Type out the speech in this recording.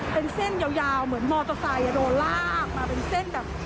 เป็นเส้นยาวเหมือนมอเตอร์ไซค์โดนลากมาเป็นเส้นแบบ